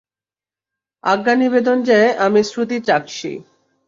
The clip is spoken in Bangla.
আজ্ঞা নিবেদন যে, আমি শ্রুতি চকশী।